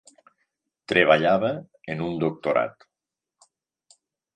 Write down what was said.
Treballava en un doctorat